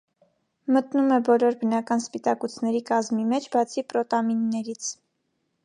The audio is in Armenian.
Մտնում է բոլոր բնական սպիտակուցների կազմի մեջ, բացի պրոտամիններից։